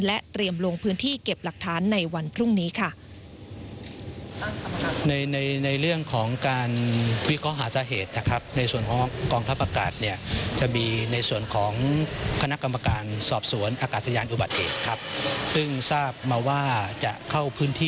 และเตรียมลงพื้นที่เก็บหลักฐานในวันพรุ่งนี้ค่ะ